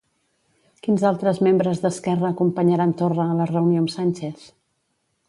Quins altres membres d'Esquerra acompanyaran Torra a la reunió amb Sánchez?